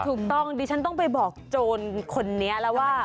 ถูกต้องดิฉันต้องไปบอกโจรคนนี้แล้วว่า